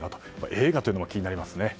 映画というのも気になりますね。